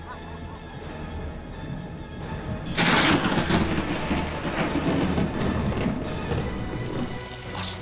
terima kasih pak